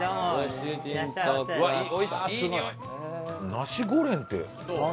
ナシゴレンって。